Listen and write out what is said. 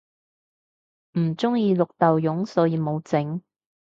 唔鍾意綠豆蓉所以無整